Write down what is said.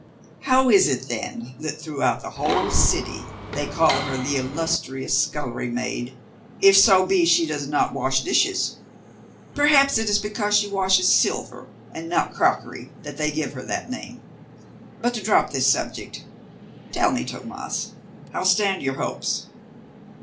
"How is it, then, that throughout the whole city they call her the illustrious scullery maid, if so be she does not wash dishes? Perhaps it is because she washes silver and not crockery that they give her that name. But to drop this subject, tell me, Tomas, how stand your hopes?"